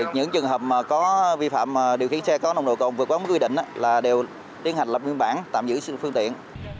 những trường hợp có vi phạm điều khiển xe có nồng độ cồn vượt quá mức quy định đều tiến hành lập nguyên bản tạm giữ sự phương tiện